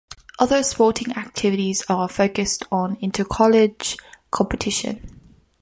Other sporting activities are focused on inter-college competition.